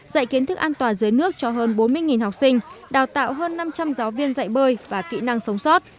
dạy kiến thức an toàn dưới nước cho hơn bốn mươi học sinh đào tạo hơn năm trăm linh giáo viên dạy bơi và kỹ năng sống sót